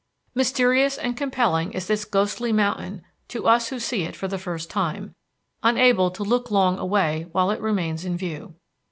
Mysterious and compelling is this ghostly mountain to us who see it for the first time, unable to look long away while it remains in view.